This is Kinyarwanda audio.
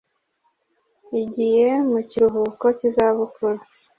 igiye mu kiruhuko cy izabukuru